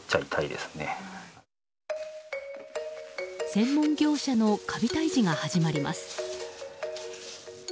専門業者のカビ退治が始まります。